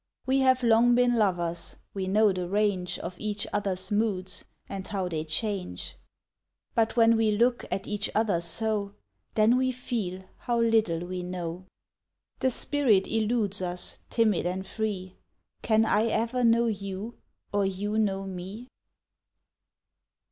We have long been lovers, We know the range Of each other's moods And how they change; But when we look At each other so Then we feel How little we know; The spirit eludes us, Timid and free Can I ever know you Or you know me?